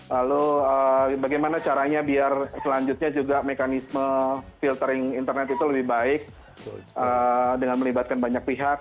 lalu bagaimana caranya biar selanjutnya juga mekanisme filtering internet itu lebih baik dengan melibatkan banyak pihak